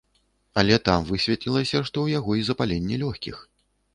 Але там высветлілася, што ў яго і запаленне лёгкіх!